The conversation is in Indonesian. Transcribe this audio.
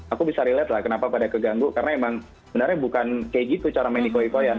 aku bisa relate lah kenapa pada keganggu karena emang benarnya bukan kayak gitu cara main ikoi koyan